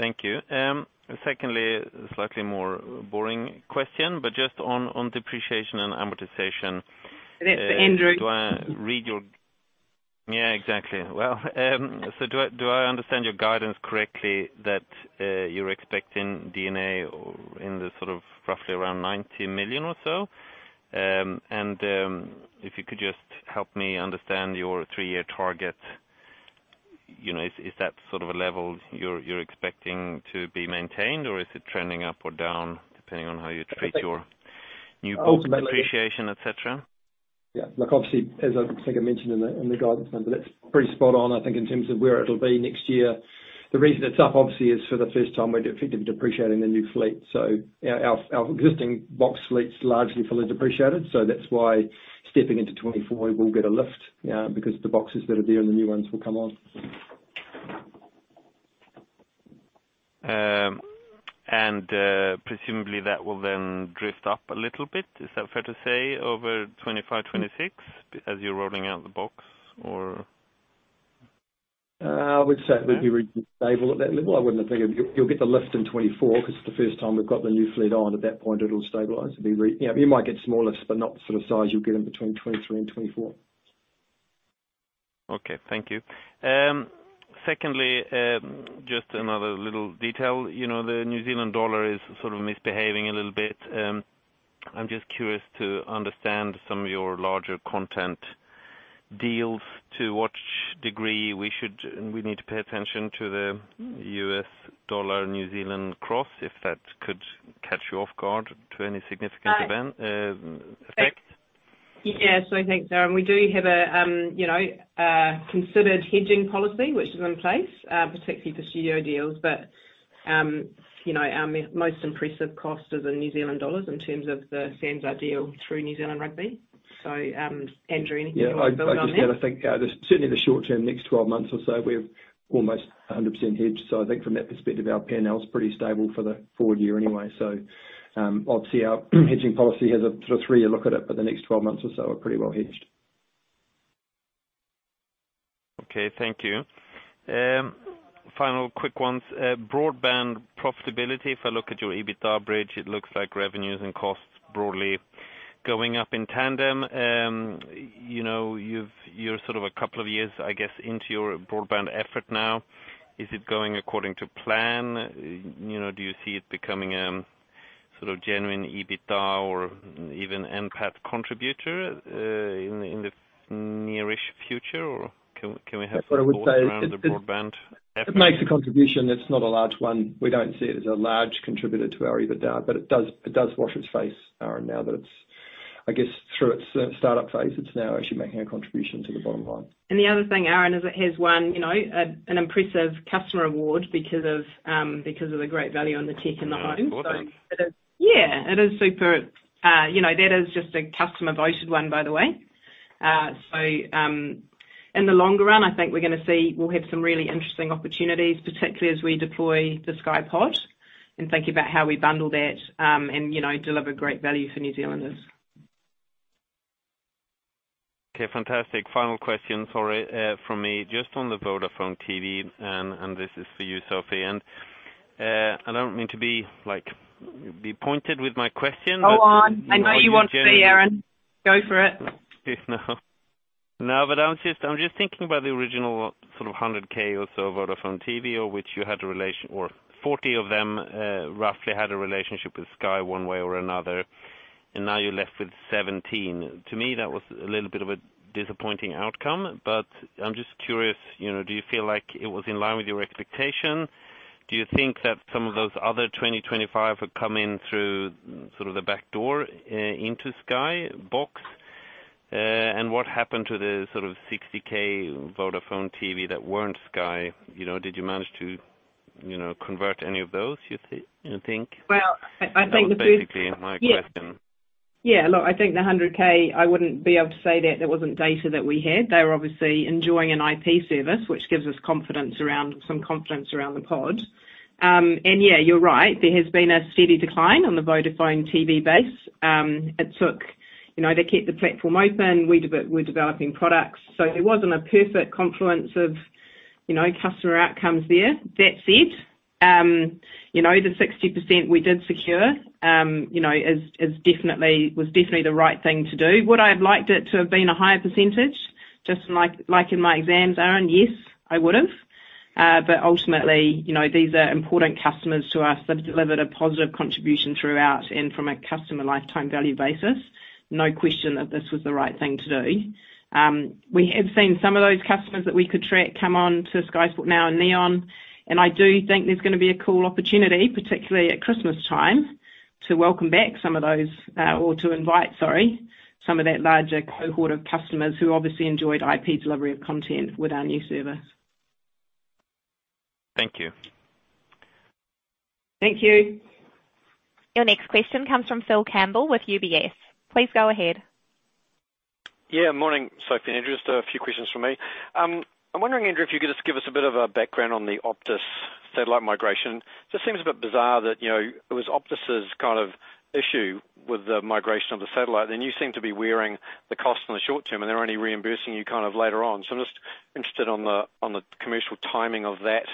Thank you. Secondly, slightly more boring question, but just on, on Depreciation and Amortization- That's for Andrew. Do I read your... Yeah, exactly. Well, do I, do I understand your guidance correctly, that you're expecting D&A in the sort of roughly around 90 million or so? If you could just help me understand your 3-year target. You know, is, is that sort of a level you're, you're expecting to be maintained, or is it trending up or down, depending on how you treat your- I think- new book depreciation, etc? Yeah. Look, obviously, as I think I mentioned in the, in the guidance number, that's pretty spot on, I think, in terms of where it'll be next year. The reason it's up, obviously, is for the first time we're effectively depreciating the new fleet. Our, our, our existing box fleet's largely fully depreciated, so that's why stepping into 2024, we'll get a lift because the boxes that are there and the new ones will come on. presumably that will then drift up a little bit. Is that fair to say, over 2025, 2026, as you're rolling out the Sky Box, or? I would say it would be stable at that level. I wouldn't have think of... You'll get the lift in 2024 because it's the first time we've got the new fleet on. At that point, it'll stabilize, it'll be You know, you might get smaller lifts, but not the sort of size you'll get in between 2023 and 2024. Okay. Thank you. Secondly, just another little detail. You know, the New Zealand dollar is sort of misbehaving a little bit. I'm just curious to understand some of your larger content deals, to what degree we need to pay attention to the US dollar, New Zealand cross, if that could catch you off guard to any significant event, effect? Yes, I think, Aaron, we do have a, you know, a considered hedging policy which is in place, particularly for studio deals. You know, our most impressive cost is in New Zealand dollars in terms of the SANZAAR deal through New Zealand Rugby. Andrew, anything you want to build on that? Yeah, I, I, just gonna think, certainly the short term, next 12 months or so, we're almost 100% hedged. I think from that perspective, our P&L is pretty stable for the forward year anyway. Obviously our hedging policy has a sort of 3-year look at it, but the next 12 months or so are pretty well hedged. Okay, thank you. final quick ones. broadband profitability. If I look at your EBITDA bridge, it looks like revenues and costs broadly going up in tandem. you know, you're sort of a couple of years, I guess, into your broadband effort now. Is it going according to plan? You know, do you see it becoming, sort of genuine EBITDA, even NPAT contributor, in, in the near-ish future, or can, can we have more around the broadband? It makes a contribution. It's not a large one. We don't see it as a large contributor to our EBITDA, but it does, it does wash its face, Aaron, now that it's, I guess, through its startup phase, it's now actually making a contribution to the bottom line. The other thing, Aaron, is it has won, you know, an impressive customer award because of, because of the great value on the tech in the home. Oh, important. Yeah, it is super, you know, that is just a customer-voted one, by the way. In the longer run, I think we're gonna have some really interesting opportunities, particularly as we deploy the Sky Pod, and think about how we bundle that, and, you know, deliver great value for New Zealanders. Okay, fantastic. Final question, sorry, from me, just on the Vodafone TV, and, and this is for you, Sophie, and, I don't mean to be like, be pointed with my question- Go on. I know you want to be, Aaron. Go for it. No. No, but I'm just, I'm just thinking about the original sort of 100K or so Vodafone TV, of which you had a relation- or 40 of them, roughly had a relationship with Sky one way or another, and now you're left with 17. To me, that was a little bit of a disappointing outcome, but I'm just curious, you know, do you feel like it was in line with your expectation? Do you think that some of those other 20, 25 would come in through sort of the back door, into Sky Box? What happened to the sort of 60K Vodafone TV that weren't Sky, you know, did you manage to, you know, convert any of those, you think? Well, I, I think the first- That's basically my question. Yeah. Yeah, look, I think the 100 K, I wouldn't be able to say that. That wasn't data that we had. They were obviously enjoying an IP service, which gives us confidence around some confidence around the Sky Pod. Yeah, you're right, there has been a steady decline on the Vodafone TV base. You know, they kept the platform open. We're developing products. There wasn't a perfect confluence of, you know, customer outcomes there. That said, you know, the 60% we did secure, you know, is, is definitely, was definitely the right thing to do. Would I have liked it to have been a higher percentage, just like in my exams, Aaron? Yes, I would've. Ultimately, you know, these are important customers to us. They've delivered a positive contribution throughout, and from a customer lifetime value basis, no question that this was the right thing to do. We have seen some of those customers that we could track come on to Sky Sport Now and Neon, and I do think there's gonna be a cool opportunity, particularly at Christmas time, to welcome back some of those, or to invite, sorry, some of that larger cohort of customers who obviously enjoyed IP delivery of content with our new service. Thank you. Thank you. Your next question comes from Phil Campbell with UBS. Please go ahead. Yeah, morning, Sophie and Andrew. Just a few questions from me. I'm wondering, Andrew, if you could just give us a bit of a background on the Optus satellite migration. Just seems a bit bizarre that, you know, it was Optus' kind of issue with the migration of the satellite, then you seem to be wearing the cost in the short term, and they're only reimbursing you kind of later on. I'm just interested on the, on the commercial timing of that,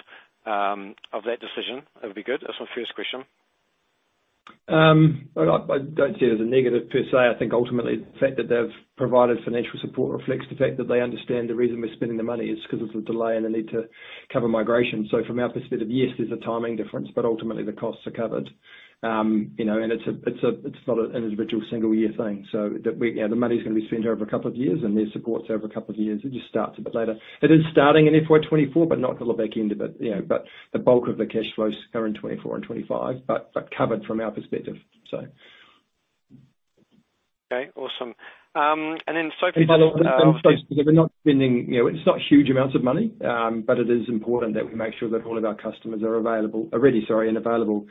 of that decision. That'd be good. That's my first question. Well, I, I don't see it as a negative per se. I think ultimately the fact that they've provided financial support reflects the fact that they understand the reason we're spending the money is 'cause of the delay and the need to cover migration. From our perspective, yes, there's a timing difference, but ultimately the costs are covered. You know, and it's a, it's a, it's not an individual single year thing, so that we. You know, the money's gonna be spent over a couple of years, and there's support over a couple of years. It just starts a bit later. It is starting in FY24, but not till the back end of it, you know, but the bulk of the cash flows are in 24 and 25, but, but covered from our perspective. Okay, awesome. Then Sophie... We're not spending. You know, it's not huge amounts of money, but it is important that we make sure that all of our customers are available, are ready, sorry, and available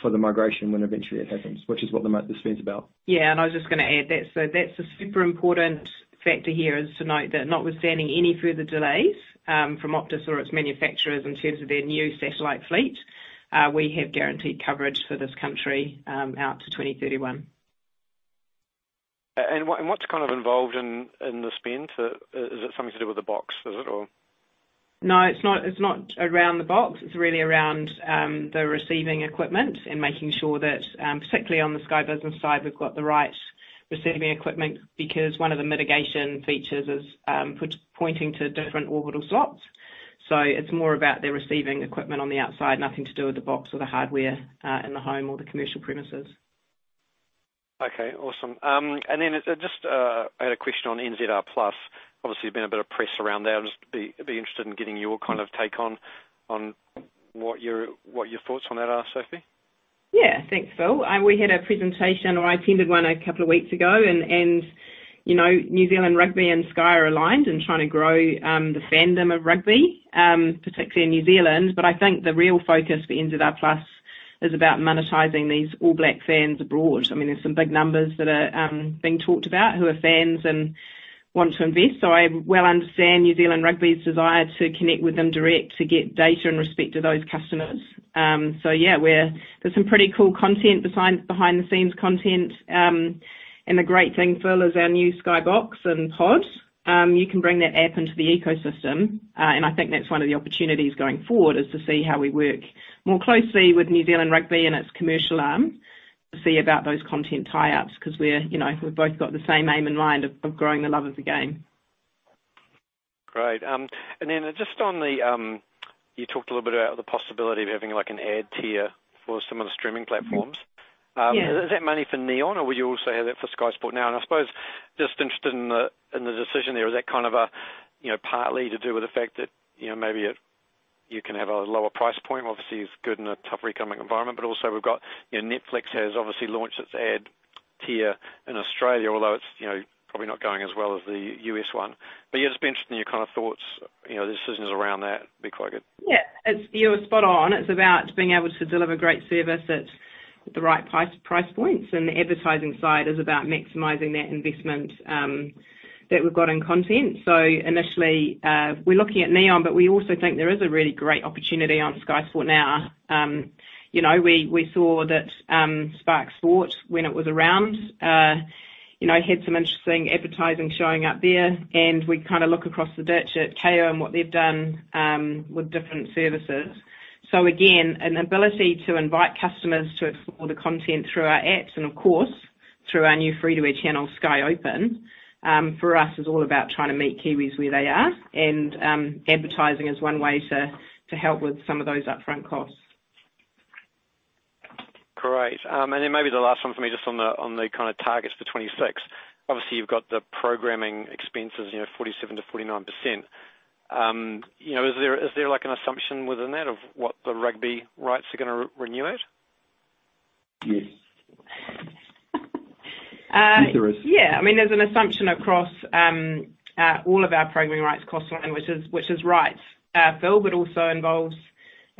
for the migration when eventually it happens, which is what the spend's about. I was just gonna add that. That's a super important factor here, is to note that notwithstanding any further delays, from Optus or its manufacturers in terms of their new satellite fleet, we have guaranteed coverage for this country, out to 2031. What, and what's kind of involved in, in the spend? Is it something to do with the Sky Box, is it, or? No, it's not, it's not around the box. It's really around, the receiving equipment and making sure that, particularly on the Sky Business side, we've got the right receiving equipment, because one of the mitigation features is, pointing to different orbital slots. It's more about the receiving equipment on the outside, nothing to do with the box or the hardware, in the home or the commercial premises. Okay, awesome. Just, I had a question on NZR+. Obviously, there's been a bit of press around that. I'd just be, I'd be interested in getting your kind of take on, on what your, what your thoughts on that are, Sophie? Yeah. Thanks, Phil. We had a presentation, or I attended one a couple of weeks ago, New Zealand Rugby and Sky are aligned in trying to grow the fandom of rugby particularly in New Zealand. I think the real focus for NZR+ is about monetizing these All Blacks fans abroad. There's some big numbers that are being talked about, who are fans and want to invest. I well understand New Zealand Rugby's desire to connect with them direct to get data in respect to those customers. There's some pretty cool content besides behind-the-scenes content, and the great thing, Phil, is our new Sky Box and Pod. You can bring that app into the ecosystem, I think that's one of the opportunities going forward, is to see how we work more closely with New Zealand Rugby and its commercial arm to see about those content tie-ups, 'cause we're, you know, we've both got the same aim in mind of, of growing the love of the game. Great. Just on the, you talked a little bit about the possibility of having, like, an ad tier for some of the streaming platforms. Yeah. Is that money for Neon, or will you also have that for Sky Sport Now? I suppose just interested in the, in the decision there, is that kind of a, you know, partly to do with the fact that, you know, maybe it-- you can have a lower price point, obviously, it's good in a tough recurring environment, but also we've got, you know, Netflix has obviously launched its ad tier in Australia, although it's, you know, probably not going as well as the U.S. one. Yeah, just be interested in your kind of thoughts, you know, the decisions around that. Be quite good. Yeah, it's... You're spot on. It's about being able to deliver great service at, at the right price, price points, and the advertising side is about maximizing that investment, that we've got in content. Initially, we're looking at Neon, but we also think there is a really great opportunity on Sky Sport Now. You know, we, we saw that Spark Sport, when it was around, you know, had some interesting advertising showing up there, and we kind of look across the ditch at Kayo and what they've done with different services. Again, an ability to invite customers to explore the content through our apps and, of course, through our new free-to-air channel, Sky Open, for us is all about trying to meet Kiwis where they are. Advertising is one way to, to help with some of those upfront costs. Great. Then maybe the last one for me, just on the, on the kind of targets for 2026. Obviously, you've got the programming expenses, you know, 47%-49%. You know, is there, is there, like, an assumption within that of what the rugby rights are gonna renew at? Yes. Yes, there is. Yeah, I mean, there's an assumption across all of our programming rights cost line, which is, which is right, Phil, but also involves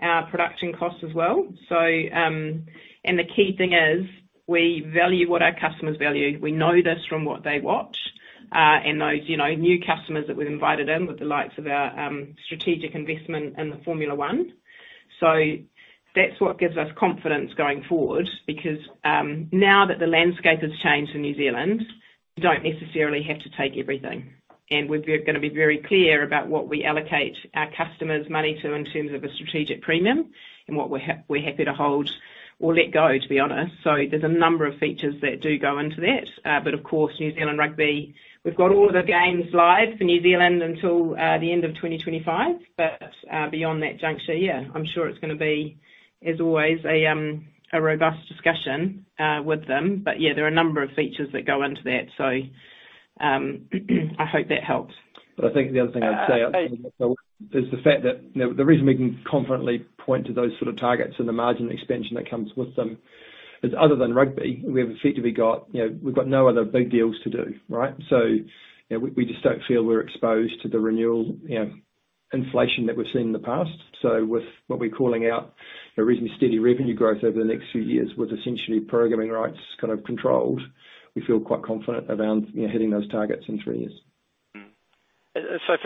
our production costs as well. The key thing is we value what our customers value. We know this from what they watch, and those, you know, new customers that we've invited in with the likes of our strategic investment in the Formula One. That's what gives us confidence going forward, because now that the landscape has changed in New Zealand, we don't necessarily have to take everything, and we're gonna be very clear about what we allocate our customers' money to in terms of a strategic premium, and what we're happy to hold or let go, to be honest. There's a number of features that do go into that. Of course, New Zealand Rugby, we've got all of the games live for New Zealand until the end of 2025. Beyond that juncture, yeah, I'm sure it's gonna be, as always, a robust discussion with them. Yeah, there are a number of features that go into that. I hope that helps. I think the other thing I'd say is the fact that, you know, the reason we can confidently point to those sort of targets and the margin expansion that comes with them, is other than rugby, we have effectively got, you know, we've got no other big deals to do, right? You know, we, we just don't feel we're exposed to the renewal, you know, inflation that we've seen in the past. With what we're calling out, you know, reasonably steady revenue growth over the next few years with essentially programming rights kind of controlled, we feel quite confident around, you know, hitting those targets in three years.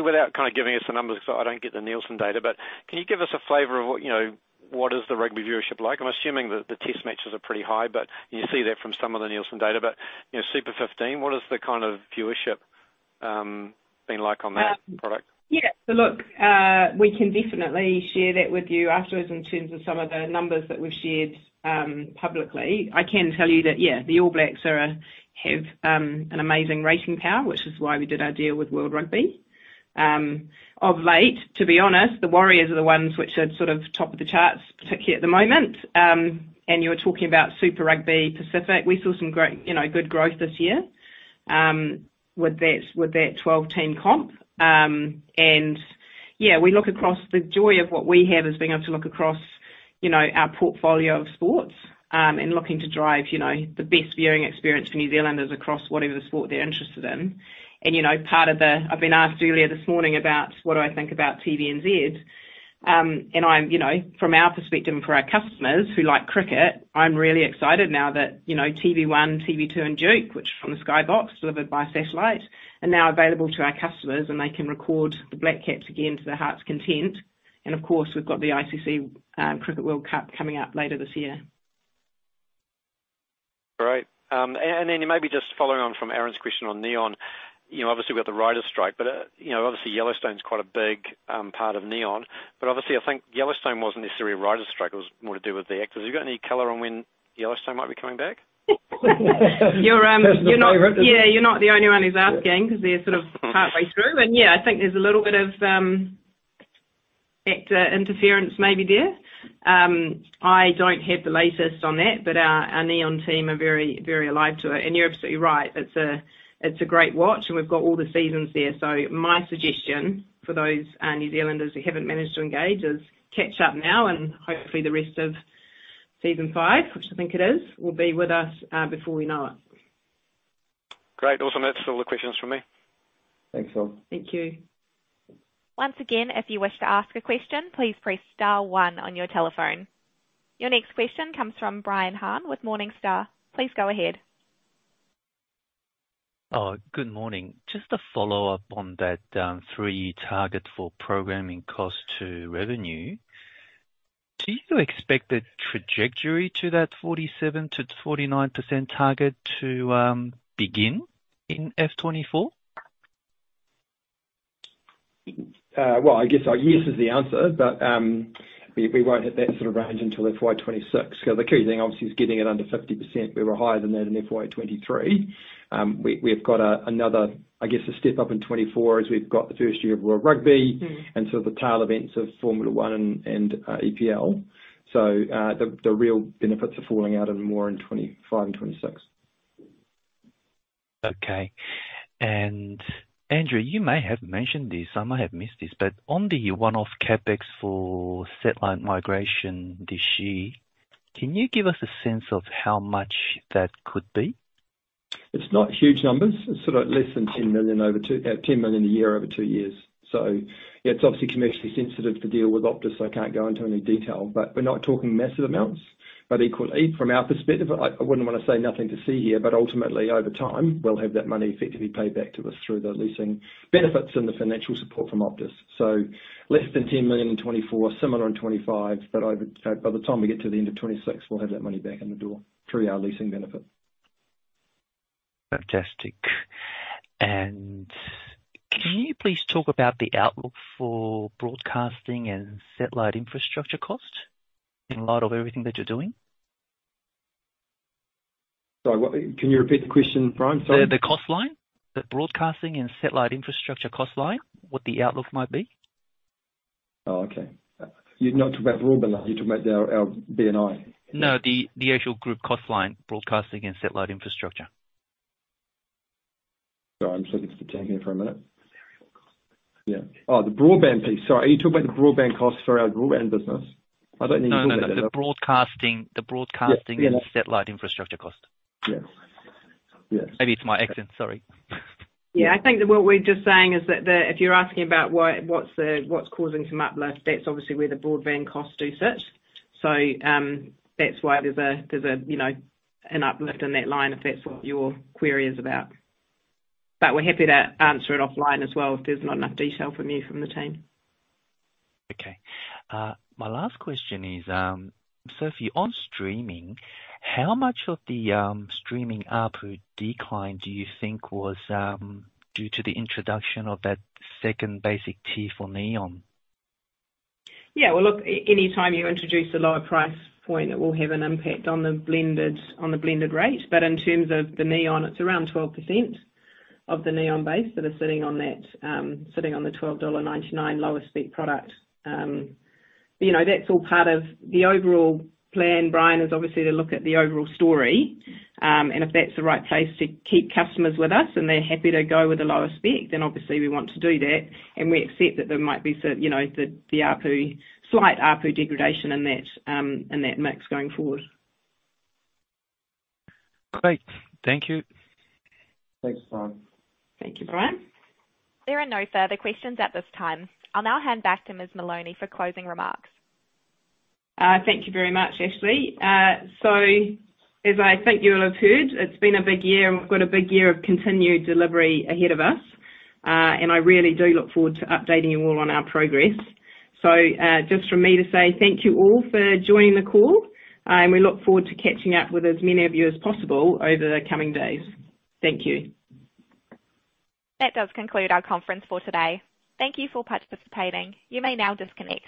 Without kind of giving us the numbers, 'cause I don't get the Nielsen data, can you give us a flavor of what, you know, what is the rugby viewership like? I'm assuming that the test matches are pretty high, you see that from some of the Nielsen data. You know, Super 15, what is the kind of viewership been like on that product? Yeah. Look, we can definitely share that with you afterwards in terms of some of the numbers that we've shared publicly. I can tell you that, yeah, the All Blacks have an amazing rating power, which is why we did our deal with World Rugby. Of late, to be honest, the Warriors are the ones which are sort of top of the charts, particularly at the moment. You were talking about Super Rugby Pacific. We saw some great, you know, good growth this year with that, with that 12-team comp. Yeah, we look across. The joy of what we have is being able to look across, you know, our portfolio of sports, and looking to drive, you know, the best viewing experience for New Zealanders across whatever sport they're interested in. You know, part of the-- I've been asked earlier this morning about what do I think about TVNZ, and I'm... You know, from our perspective and for our customers who like cricket, I'm really excited now that, you know, TVNZ 1, TVNZ 2, and Duke, which are from the Sky Box, delivered by satellite, are now available to our customers, and they can record the Black Caps again to their heart's content. Of course, we've got the ICC Cricket World Cup coming up later this year. Great. Then maybe just following on from Aaron's question on Neon, you know, obviously, we've got the writers' strike, but, you know, obviously Yellowstone is quite a big part of Neon, obviously, I think Yellowstone wasn't necessarily a writers' strike. It was more to do with the actors. Have you got any color on when Yellowstone might be coming back? You're, you're not- That's my favorite. Yeah, you're not the only one who's asking, 'cause they're sort of halfway through. Yeah, I think there's a little bit of actor interference maybe there. I don't have the latest on that, but our, our Neon team are very, very alive to it. You're absolutely right. It's a great watch, and we've got all the seasons there. My suggestion for those New Zealanders who haven't managed to engage is: catch up now, and hopefully the rest of Season 5, which I think it is, will be with us, before we know it. Great. Awesome. That's all the questions from me. Thanks, Phil. Thank you. Once again, if you wish to ask a question, please press star one on your telephone. Your next question comes from Brian Han with Morningstar. Please go ahead. Good morning. Just a follow-up on that, 3-year target for programming cost to revenue. Do you expect the trajectory to that 47%-49% target to begin in FY24? Well, I guess our yes is the answer, but we won't hit that sort of range until FY26. The key thing, obviously, is getting it under 50%. We were higher than that in FY23. We, we've got another, I guess, a step up in FY24 as we've got the first year of World Rugby- The tail events of Formula One and EPL. The real benefits are falling out even more in 2025 and 2026. Okay. Andrew, you may have mentioned this, I might have missed this, on the one-off CapEx for satellite migration this year, can you give us a sense of how much that could be? It's not huge numbers. It's sort of less than 10 million a year over 2 years. Yeah, it's obviously commercially sensitive to deal with Optus, so I can't go into any detail, but we're not talking massive amounts. Equally, from our perspective, I, I wouldn't want to say nothing to see here, but ultimately, over time, we'll have that money effectively paid back to us through the leasing benefits and the financial support from Optus. Less than 10 million in 2024, similar in 2025, but by the time we get to the end of 2026, we'll have that money back in the door through our leasing benefit. Fantastic. Can you please talk about the outlook for broadcasting and satellite infrastructure cost in light of everything that you're doing? Sorry, what? Can you repeat the question, Brian? Sorry. The cost line, the broadcasting and satellite infrastructure cost line, what the outlook might be. Oh, okay. You're not talking about broadband line, you're talking about our, our D&A? No, the, the actual group cost line, broadcasting and satellite infrastructure. Sorry, I'm just looking at the team here for a minute. Variable cost. Yeah. Oh, the broadband piece. Sorry, are you talking about the broadband costs for our broadband business? I don't think- No, no, the broadcasting. Yes, yes. satellite infrastructure cost. Yes. Yes. Maybe it's my accent, sorry. Yeah, I think that what we're just saying is that the. If you're asking about why what's the what's causing some uplift, that's obviously where the broadband costs do sit. That's why there's a, you know, an uplift in that line, if that's what your query is about. We're happy to answer it offline as well, if there's not enough detail from you, from the team. Okay. My last question is, Sophie, on streaming, how much of the streaming ARPU decline do you think was due to the introduction of that second basic tier for Neon? Yeah, well, look, anytime you introduce a lower price point, it will have an impact on the blended, on the blended rate. In terms of the Neon, it's around 12% of the Neon base that is sitting on that, sitting on the 12.99 dollar lower spec product. You know, that's all part of the overall plan, Brian, is obviously to look at the overall story. And if that's the right place to keep customers with us, and they're happy to go with the lower spec, then obviously we want to do that, and we accept that there might be certain, you know, the, the ARPU, slight ARPU degradation in that, in that mix going forward. Great. Thank you. Thanks, Brian. Thank you, Brian. There are no further questions at this time. I'll now hand back to Ms. Moloney for closing remarks. Thank you very much, Ashley. As I think you'll have heard, it's been a big year, and we've got a big year of continued delivery ahead of us, and I really do look forward to updating you all on our progress. Just from me to say thank you all for joining the call, and we look forward to catching up with as many of you as possible over the coming days. Thank you. That does conclude our conference for today. Thank you for participating. You may now disconnect.